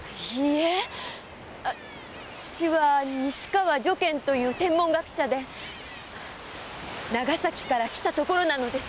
父は西川如見という天文学者で長崎から来たところなのです。